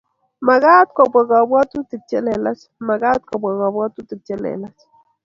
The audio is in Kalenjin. Magat ko bwa kabuatutik che lelach Magat ko bwa kabuatutik che lelach